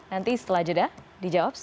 nanti setelah jeda dijawab